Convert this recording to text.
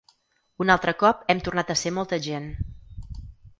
Un altre cop hem tornat a ser molta gent.